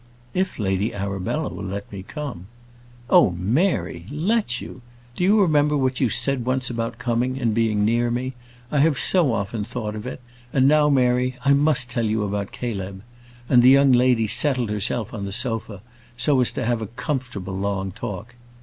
"If Lady Arabella will let me come." "Oh, Mary; let you! Do you remember what you said once about coming, and being near me? I have so often thought of it. And now, Mary, I must tell you about Caleb;" and the young lady settled herself on the sofa, so as to have a comfortable long talk.